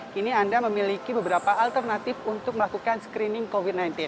kini anda memiliki beberapa alternatif untuk melakukan screening covid sembilan belas